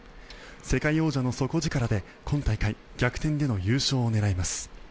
世界王者の底力で、今大会逆転での優勝を狙います。